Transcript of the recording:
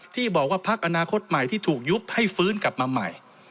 ที่บอกว่าพักอนาคตใหม่ที่ถูกยุบให้ฟื้นกลับมาใหม่